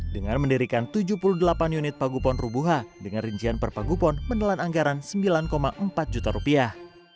dengan mendirikan tujuh puluh delapan unit pagupon rubuha dengan rincian per pagupon menelan anggaran sembilan empat juta rupiah